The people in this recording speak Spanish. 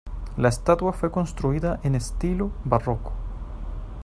La estatua fue construida en estilo barroco.